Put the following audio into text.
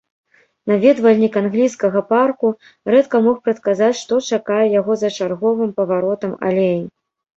Наведвальнік англійскага парку рэдка мог прадказаць, што чакае яго за чарговым паваротам алеі.